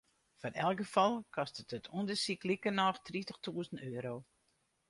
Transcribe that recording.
Foar elk gefal kostet it ûndersyk likernôch tritichtûzen euro.